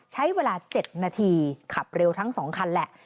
ใช้เวลา๗นาทีขับเร็วทั้ง๒คันแหละ